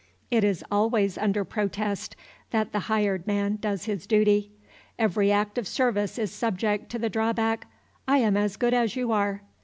It is always under protest that the hired man does his duty. Every act of service is subject to the drawback, "I am as good as you are."